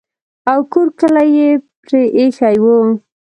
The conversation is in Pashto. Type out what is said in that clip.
او کور کلی یې پرې ایښی وو.